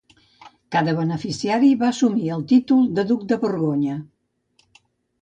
Cada beneficiari va assumir el títol de duc de Borgonya.